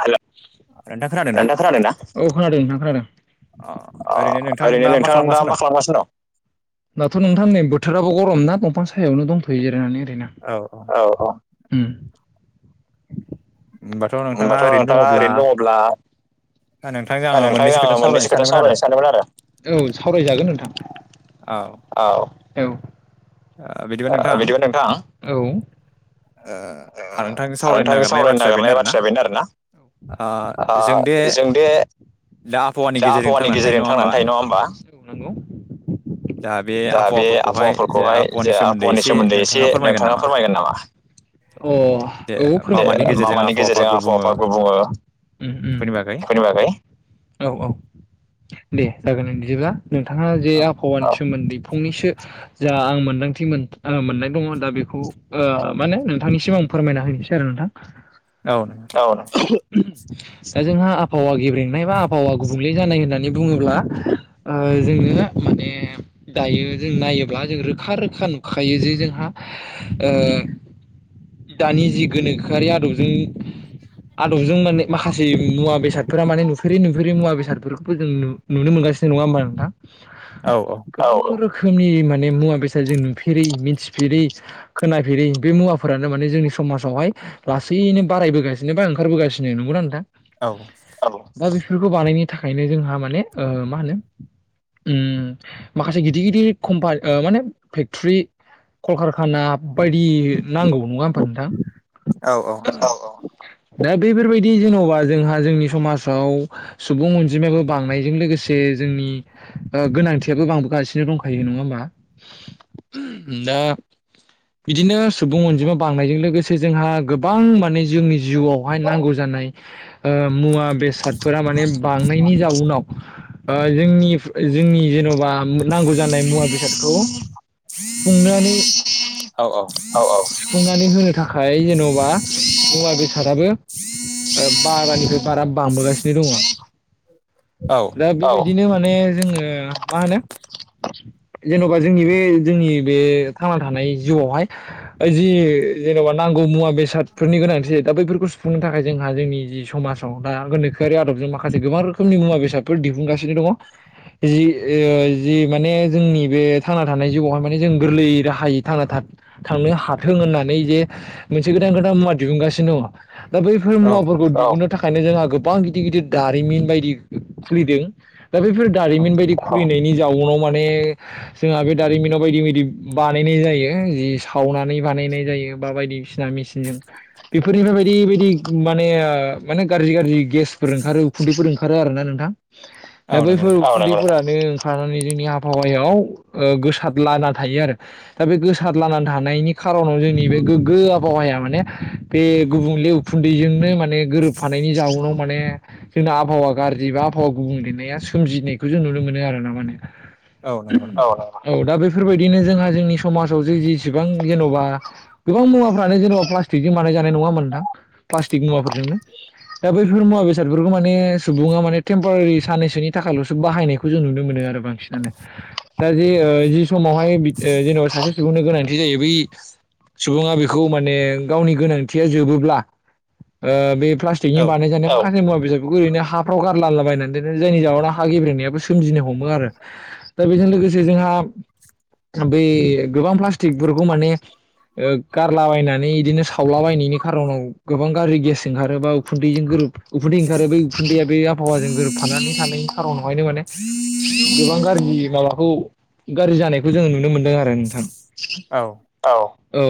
Hello [unintelligible] नोंथांङा खोनादोंना [unintelligible] ओरैनो नोंथां दा मा खालामगासिनो दंङों नोंथां बोथोराबो गरम ना दफां सायावनो दंफैयो जिरायनानै ओरैनो औ होनोमबाथ' नोंथांङा ओरैनो दंङोब्ला दा नोंथां आंङो मोननैसो खोथा सावरायनो सानदोंमोन आरो औ सावरायजागोन नोंथां औ - औ बिदिबा नोंथां औ नोंथांजों सावरायनो नागिरनाय बा [unintelligible] आरोना जों बे दा आबहावानि गेजेरजों थांनानै थायो नंङा होमबा नंगौ दा दा बे आबहावाफोरखौहाय जे आबहावानि सोमोन्दै एसे नोंथांङा फोरमायगोन नामा अ औ फोरमाय मा मानि गेजेरजों आबहावाखौ बुङो बेफोरनि बागै औ - औ दे जागोन बिदिब्ला नोंथांङा जे आबहावानि सोमोन्दै फंनैसो जा आं मोनदांथि मोननाय दंङ दा बेखौ माने नोंथांनिसिम आं फोरमायना होनोसै आरो नोंथां औ दा जोंहा आबहावा गेब्रेंनाय बा आबहावा गुबुंले जानाय होननानै बुंङोब्ला जोंङो माने दायो जों नायोब्ला जों रोखा रोखा नुखायो जे जोंहा दानि जि गोनोखोआरि आदबजों [unintelligible] आदबजों माने माखासे मुवा बेसादफोरा माने नुफेरै नुफेरै मुवा बेसादफोरखौबो जों नुनो मोनगासिनो नंङा होनबा नोंथां रोखोमनि माने मुवा बेसाद जों नुफेरै मिथिफेरै खोनाफेरै बे मुवाफोरानो माने जोंनि सम मासावहाय लासैनो बारायबोगासिनो बा ओंखारबोगासिनो नंगौना नोंथां बेफोरखौ बानायनो थाखायनो जोंहा माने ओ मा होनो उम माखासे गिदिर गिदिर कम्पानि माने फेक्ट्रि कलकारखाना बायदि नांगौ नंङा होनबा नोंथां [inaudible] दा बेफोरबायदि जेनबा जोंहा जोंनि समाजाव सुबुं अनजिमायाबो बांनायजों लोगोसे जोंनि गोनांथियाबो बांबोगासिनो दंखायो नंङा होमबा [inaudible] [unintelligible] बिदिनो सुबुं अनजिमा बांनायजों लोगोसे जोंहा गोबां माने जोंनि जिउआवहाय नांगौ जानाय मुवा बेसादफोरा माने बांनायनि जाउनाव जोंनि जोंनि जेनबा नांगौ जानाय मुवा बेसादखौ सुंफुंनानै औ - औ सुफुंनानै होनो थाखाय जेनबा बेसादाबो बारानिफ्राय बारा बांबोगासिनो दंङो [unintelligible] बिदिनो माने जोंङो मा होनो जेनबा जोंनि बे जोंनि बे थांना थानाय जिउवाहाय जि जेन'बा नांगौ मुवा बेसादफोरनि गोनांथि जायो दा बैफोरखौ सुफुंनो थाखाय जोंहा जोंनि जि समाजाव दा गोनोखोआि आदबजों माखासे गोबां रोखोम रोखोमनि मुवा बेसादफोर दिहुनगासिनो दंङो जि जि माने जोंनि बे थांना थानाय जिउआवहाय माने जों गोरलै राहायै थांना थानो थांनो हाथों होननानै जे मोनसे गोदान खोथा मुवा दिहुनगासिनो दंङो दा बैफोर मुवाफोरखौ दिहुननो थाखायनो जोंहा गोबां गिदिर गिदिर दारिमिन बायदि खुलिदों दा बेैफोर दारिमिन बायदि खुलिनाय जाउनाव माने जोंहा बे दारिमिनाव बायदि बायदि बानायनाय जायो सावनानै बानायनाय जायो। बा बायदिसिना मेसिनजों बेफोरनिफ्राय बायदि बायदि माने आ माने गाज्रि गाज्रि गेसफोर ओंखारो उखुन्दैफोर ओंखारो आरो ना नोंथां दा बैफोर उखुन्दैफोरानो ानानै जोंनि आबहावायाव गोसाद लाना थायो आरो दा बे गोसाद लाना थानायनि खारनाव जोंनि बे गोग्गो आबहावाया माने बे गुबुंले उखुन्दैजोंनो माने गोरोबफानायनि जाउनाव माने जोंना आबहावा गार्जि बा आहावा गुबुंलेनाया सोमजिनायखौ जों नुनो मोनो आरो ना माने औ दा बे बेफोरबायदिनो जोंहा जोंनि समाजाव जे जेसेबां जेन'बा गोबां मुवाफ्रानो जेनेबा प्लास्टिक ज मानाय जानाय नोंआ मनथां प्लास्टिक नुआफोरजोंनो दा बौइफोर मुआ बेसादफोरगखौ माने सुबुङा माने टेम्परारि साननैसोनि थाखायल'सो बाहायनायखौ जों नुनो मोनो आरो बांसिनानो दा जे जि समावहाय जेनेबा सासे सुबुंनो गोनां बे जायो बै सुबुङा बेखौ माने गावनि गोनांथिया जोबोब्ला ओ बे प्लास्टिकनि बानायजानाय मुवा बेसादफोरखौ ओरैनो हाफ्राव गारलाला बबायनानै दनो जायनि जउावना हाागेब्रेनायाबो सोमजिनो हमो आरो दा बेजों लोगोसे जोंहा बै गोबां प्लास्टिकफोरखौ माने गारलाबायनानै बिदिनो सावलाबायनायनि खार'नाव गोबां गाज्रि गेस ओंखारोबा उखुन्दैजों गोरोब उखुनदौ ओंखारो बै न्दै बे आबहावाजों गोरोबफानानै थानायनि खारनावहायनो माने गोबां गाज्रि म ाबाखौ गाज्रि जानायखौ जोङो नुनो मोनदों आरो नोंथां औ औ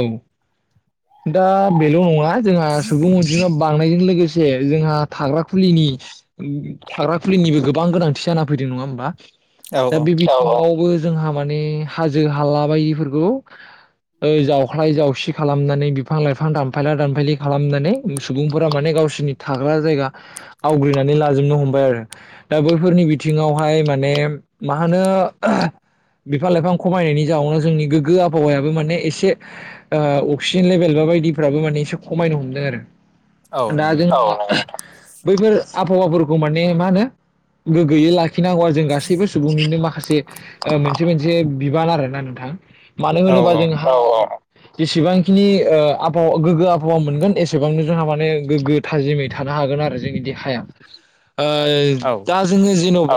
दा बेल' नङा जोंहा सुबुं अनजिमाया बांनायजों लोगोसे जोंहा थाग्राखुलिनि थाग्रा खुलिनिबो गोबां गोनांथि जाना फैयो। ा ह दा बेबो जोंहा माने हाजो हाला बायदिफोरखौ जावख्लाय जावसि खालामनानै बिफां लाइफां दानफायला दानफायलि खालामनानै सुबुंफोरा माने गावसोर सनि थाग्रा जायगा आवग्रिनानै लाजोबनो हमबाय आरो दा बैफोरनि बिथिङावहाय माने मा होनो आह बिफां लाइफां खमायनायनि जावुनाव जोंनि गोग्गो आबहावायाबो माने एसे अक्सि न लेभेल बा बायदिफ्राबो माने एसे खमायनो हमदों आरो दा जों बैफोर आबहावाफोरखौ माने मा होनो गोग्गोयै लाखि लाखिनांगौआ जों गासैबो सुबुंनिनो माखासे मोनसे मोनसे बिबान आरोना नोंथां मानो होनोबा जों ह जेसेबांखिनि आबहावा गोग्गो आबहावा मोनगोन एसेबांनो जोंहा माने गोग्गो थाजिमै थानो हागोन आरो। ज देहाया ओ दा जोङो जेन'बा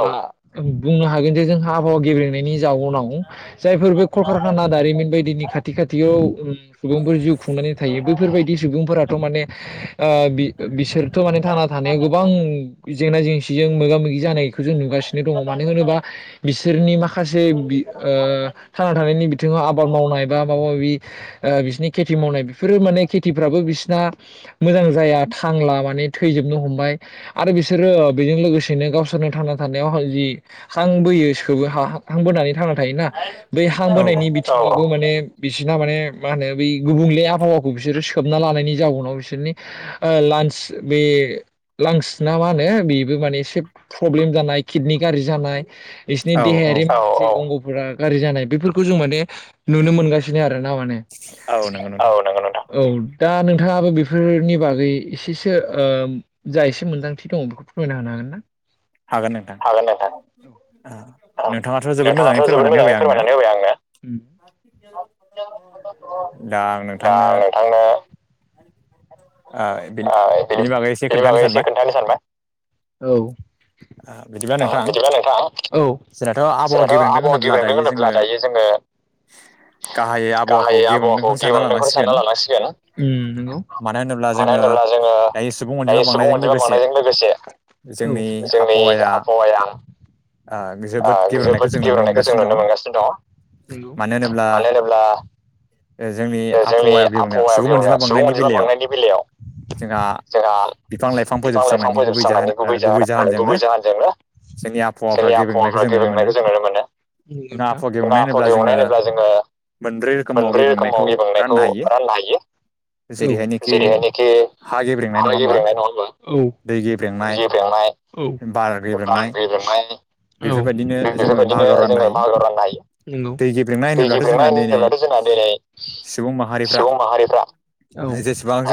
बुंनो हागोन जे जों आबहावा गेबें जाउनाव जायफोर बे ककाना दारिमिन बायदिनि खाथि खाथियाव सुबुंफोर जिउ खुंनानै थायो बैफोरबायदि सुबुंफोराथ' माने बिसोरथ' माने थांना थानायाव गोबां जेंना जेंसि बिजों मोगा मोगि जानायखौ जों नुगासिनो दङ मानो होनोबा बिसोरनि माखासे ओ थांना थानायनि बिथिङाव आबाद मावनाय बा माबा माबि ए बिस्नि खेथि मावनाय बेफोरो माने खेथिफ्राबो बिसिना मोजां जाया थांला माने थैजोबनो हमबाय आरो बिसोरो बेजों लोगोसेनो गावसोरनो थांना थानायाव जि हां बोयो सोबो हा हां बोनानै थांना थायोना बै हां बोनायनि बिथिंावबो माने बिसिना माने मा होनो बै गुबुंले आबहावाखौ बिसोरो सोबना लानायनि जाउनाव बिसोरनि लान्स बे लांस ना मा होनो बेबो माने एसे प्रब्लेम जानाय किडनि गाज्रि जानाय इसनि देहायारि म ा गाज्रि जानाय बेफोरखौ जों माने नुनो मोनगासिनो आरो ना माने औ नोंगौ नोंथां। दा नोंथाङाबो बेफोरनि बागै एसेसो ओ जा एसे मोन्दांथि दङ बेखौ फोरमायना होनो हागोन ना? हागोन नोंथां नोंथाङाथ' जोबोद मोजाङै फोरमायनानै होबाय आंनो दा नोंथांनो बेनि बागै एसे खोन्थानो सानबाय औ बिदिबा नोंथां औ जोंथ आबहावा गेबेंदों होनोब्ला दायो जोंङो गाहाय आबहावाखौ गेबेंनायखौनो सानना लानांसिगोन ना मानो होनोब्ला जोङो दायो सुबुं अनजिमा बांनायजों लोगोसे ओ जोंनि आबहावा जोबोद गेवलुंनायखौ जों नुनो मोनगासिनो दंङ नंगौ मानो होनोब्ला जोंनि आबहावायाा सुबुं अनजिमा बांनायनि बेलायाव जोंहा बिफां लाइफां फोजोबस्रांनायनि गुबै जाहोन गुबै जाहोनजोंनो जोंनि आबहावाफ्रा गेबेंनायखौ जों नुनो मोनो नंगौ नोंथां एबा आबाद होनोब्ला जोङो मोनब्रै रोखोमाव गेब्रेंनायखौ राननो हायो जेरैहायनो जेरैहानखि हा गेब्रेंनाय नङा ओ दै गेब्रेंनाय ओ बां गब्रेंनाय आमफ्रोय ओ बेफोरबायदिनो जोङो बाहागो राननो हायो दै गेब्रेंनाय होनोब्लाथ' जोंना दिरै सुबुं माहारिफ्रा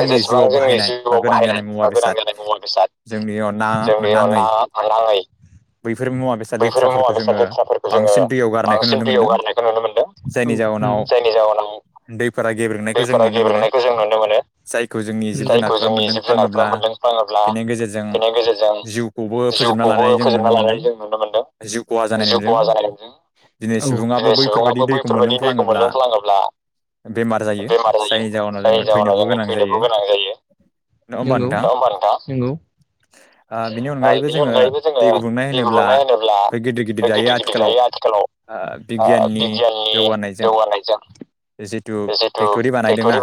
जेसेबां जोंनि जिउआव बाहायनाय बा गोनां जानाय मुवा बेसाद जोंनि अनला फानदङै बैफोर मुवा बेसाद जेथ्राफोरखौ जोङो बांसिन दैयाव गारनायखौ नुनो मोनदों ओ जायनि जाहनाव दैफोरा गेब्रेंनायखौ जों नुनो मोनो जायखौ जोंनि जिब जुनारफ्रा मोनदों फङोब्ला बेनि गेजेरजों जिउखौबो फोजोबना लानाय जों नुनो मोन्दों जिउ खहा जानायजों ओ दिनै सुबुंबो बैफोरबायाददि दैखौ मोनलों फलाङोब्ला बेमार जायो जायनि जाहोनाव जोङो थैनोबोगोन थैनोबो गोनां जायो नंगौ नङा होमबा नोंथां नंगौ बिनि अनगायैबो जोङो दै गुबुंनाय होनोब्ला बै गिदिर गिदिर दायो आथिखालाव ओ बिगियाननि जौगानायजों जिथु फेक्टरि बानायदोंना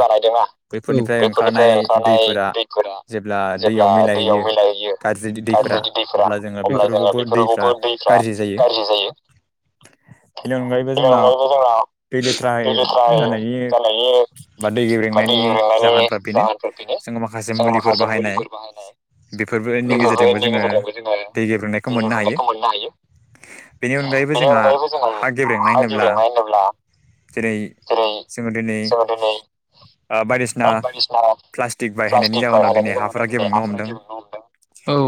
बोफोरनिफ्राय ओंखारनाय दैफोरा जेब्ला दैयाव मिलायहैयो जुदि दै फोरा अब्ला जोङो बेफोरावबो दै गाज्रि जायो बेनि अनगायैबो जोंना दै लेथ्रा जानायनि बा दै गेब्रेंनायनि जागोनफ्रा बेनो जों माखासे मुलिफोर बाहायनाय बेफोरबो जोंनि गेजेरजोंबो जोंङो दै गेब्रेंनायखौ मोननो हायो बेनि अनगायैबो जोंहा हा गेबेंनाय होनोब्ला दिनै जोङो दिनै बायदिसिना दा बायदिसिना प्लास्टिक बायायनायनि जोंनाव दिनै हाफोरा गेबेंनाय हमदों औ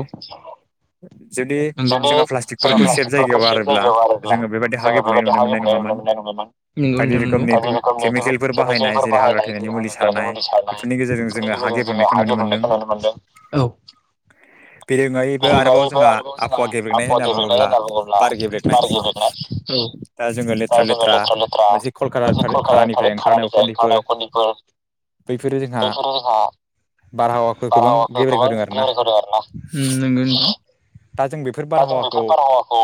जुदि जोङो प्लास्टिकफोरखौ सेब जायगायाव बारोब्ला जोङो बेबायदि हा गेबेंनाय [unintelligible] नंगौ नोंथां नंगौ बायदि रोखोमनि केमिकेल बाहायनाय जेरै हाग्रा थैनायनि बेफोरनि गेजेरजों जोङो हा गेबेंनायखौ नुनो मोनदों बेरोङैबो आरोबाव जोंहा आबहावा गेबेंनाय होनना बुङोब्ला बार गेबेंनाय दा जोङो लेथ्रा लेथ्रा मोनसे कलक खाारनिफ्राय ओंखारनाय उखुन्दैफोर [inaudible] बेफोर जोंहा बारा एथबां जेबो आरो ना उ नंगो नोथां । दा जोंथोर बारहावाखौ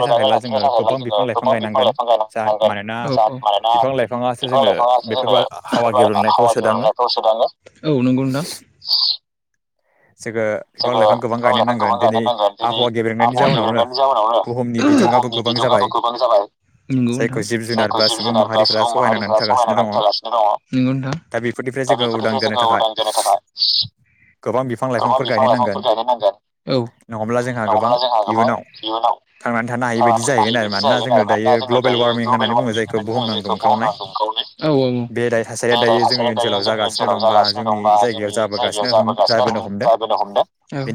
मोजाङै लाखिनो थाखायब्ला जोङो गोबां बिफां लाइफां गाय नांगोन ओ ओ जा मानोना बिफां लाइफाङासो जोङो ओंखारबाय हाबा जनायफ्रावसो सोदाङो । औ नंगौदां । जोङो बिफां लाइफां गोफां गायनो नांगोन दिनै आबहावा गेबेनायनि जाउोनावनो उम समनि बिदुङाबो गोबां जाबाय । नंगौ नोंथां जायखौ जिब जुनारफ सुबुं माहारिफ्रा समहायनानानै थागासिनो दङ । नोंगाै नोंथा दा बेफोरनिफ्राय जोङो उदां जानो थाखाय गोबां बि फां लाइफांफोर गायनो नांगोन औ नङाब्ला जोंहा गोबां इयुनाव थानो हायौ बायदि जाहौगो [unintelligible] ना आरो मानोना जोङो दायो ग्लबेल वार्मिं होननानै बुङो जायखौ बुहुमना दुंखाव औ औ बेराय थासारिया दायो जोंनि ओनसोलाव जागासिनो दंबा जोंनि जायगायाव जाबोगासिनो दं जा बोनो हमदों ओ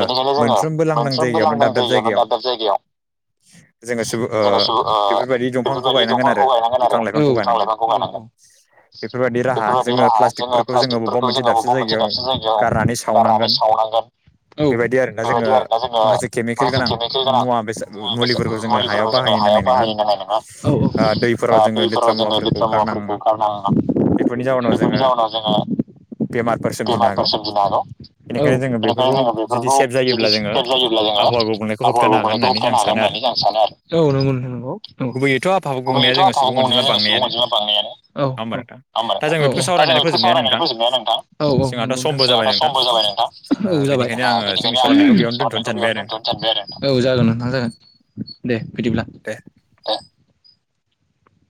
बेनिखायनो जोङो मोनफ्रोमबो लांगदां जायगायावनो दाब दाब जायगायाव जोङो सु ओ बेफोरबायदि दंफांखौ गायनांगोन आरो औ बिफां औ लाइफांखौ औ गायनांगोन । बेफोरबायदि राहा जोङो प्लास्टिकफोरखौ जोङो बबेबा मोनसे दाबसिन जायगायाव गारनानै सावनांगोन । औ बेबायदि आरोना जोङो माखासे खेमिखेल गोनां मुआ बेसाद मुलिफोरखौ जोङो हायाव बाहायनो हानाय नङा औ औ ओ दैफोराव जोङो लेथ्रा मुवाफोरखौ ओ गार नाङा बेफोरनि [unintelligible] जाउोनाव जोङो बेमारफोर सोमजिनो हागौ । औ बेनिखायनो जोङो बेफोरखौ जुदि स्टेप जायोब्ला जोङो आबहावाबा बुंनायखौ होबथानो हागोन । होननानै आं सानो आरो औ नोंगौ नोंथा नोंगौ गुबोयै थ' बुंनाया जोङो सुबुं अनजिमा बांनायानो औ औ दे होमबा नोंथां औ औ दा जों बेखौ सावरायनानै फोजोबनाया नोंथां औ औ नोंथां जों दा सम जाबाय नोंथां औ जाबाय बेनिखायनो आं सावरायनायखौ बेयावनो दोनथ'नो सानबाय आरो औ जागोन नोंथां जागोन । दे बिदिब्ला